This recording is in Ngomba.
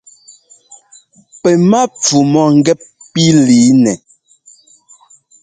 Pɛ́ mápfu mɔ̂gɛ́p pí lǐinɛ.